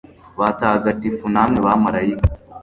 batagatifu namwe bamalayika